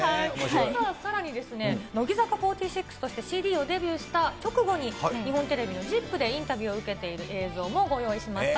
さらに、乃木坂４６として、ＣＤをデビューした直後に日本テレビのＺＩＰ！でインタビューを受けている映像もご用意しました。